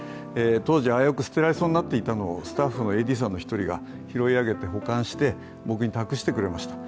当時、危うく捨てられそうになっていたのをスタッフのＡＤさんの一人が拾い上げて保管して、僕に託してくれました。